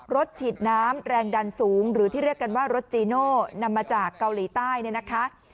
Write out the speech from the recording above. รถฉีดน้ำแรงดันสูงหรือที่เรียกกันว่ารถจีโน่นำมาจากเกาหลีใต้เนี่ยนะคะ